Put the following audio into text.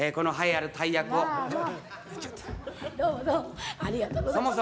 ありがとうございます。